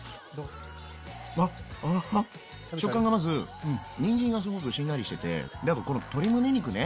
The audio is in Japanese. わ食感がまずにんじんがすごくしんなりしててであとこの鶏むね肉ね。